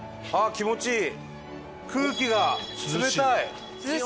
気持ちいい。